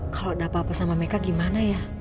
kalau ada apa apa sama mereka gimana ya